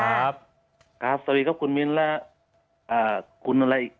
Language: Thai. สวัสดีครับสวัสดีครับคุณมิ้นและคุณอะไรอีก